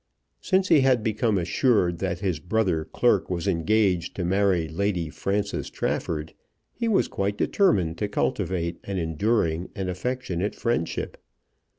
Since he had become assured that his brother clerk was engaged to marry Lady Frances Trafford, he was quite determined to cultivate an enduring and affectionate friendship.